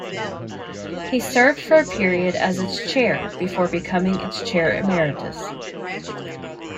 He served for a period as its chair before becoming its chair emeritus.